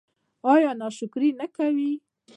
ایا ناشکري نه کوئ؟